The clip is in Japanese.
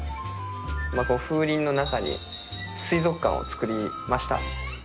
風鈴の中に水族館を作りました。